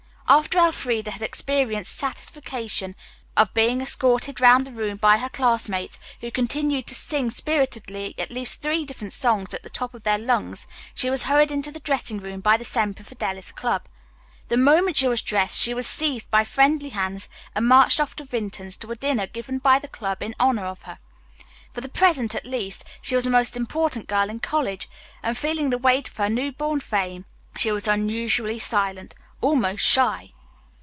After Elfreda had experienced the satisfaction of being escorted round the room by her classmates, who continued to sing spiritedly at least three different songs at the top of their lungs, she was hurried into the dressing room by the Semper Fidelis Club. The moment she was dressed she was seized by friendly hands and marched off to Vinton's to a dinner given by the club in honor of her. For the present, at least, she was the most important girl in college, and feeling the weight of her new born fame, she was unusually silent, almost shy.